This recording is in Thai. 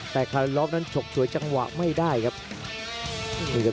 แต่คาลีลอมนั้นฉกสวยจังหวะไม่ได้ครับ